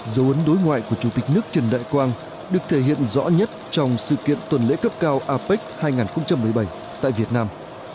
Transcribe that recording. dấu ấn đối ngoại của chủ tịch nước trần đại quang được thể hiện rõ nhất trong sự kiện tuần lễ cấp cao apec hai nghìn một mươi bảy tại việt nam